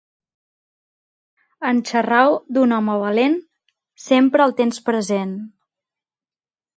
En xerrar d'un home valent, sempre el tens present.